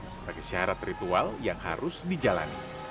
sebagai syarat ritual yang harus dijalani